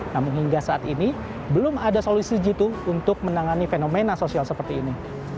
namun hingga saat ini belum ada solusi jitu untuk menangani fenomena sosial seperti ini